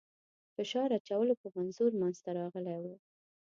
فشار اچولو په منظور منځته راغلی وو.